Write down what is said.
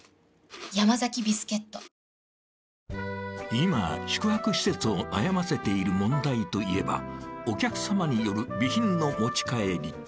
［今宿泊施設を悩ませている問題といえばお客さまによる備品の持ち帰り］